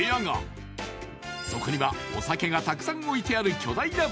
［そこにはお酒がたくさん置いてある巨大な］